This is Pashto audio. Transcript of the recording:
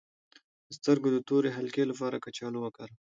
د سترګو د تورې حلقې لپاره کچالو وکاروئ